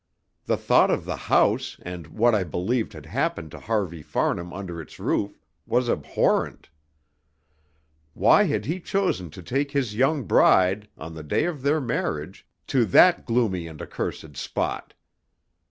The thought of the house, and what I believed had happened to Harvey Farnham under its roof, was abhorrent. Why had he chosen to take his young bride, on the day of their marriage, to that gloomy and accursed spot?